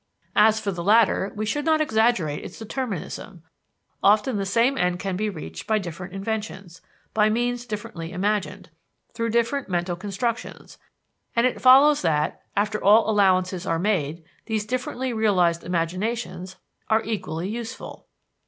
As for the latter, we should not exaggerate its determinism. Often the same end can be reached by different inventions by means differently imagined, through different mental constructions; and it follows that, after all allowances are made, these differently realized imaginations are equally useful.